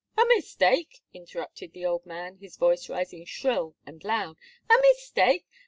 "A mistake!" interrupted the old man, his voice rising shrill and loud. "A mistake!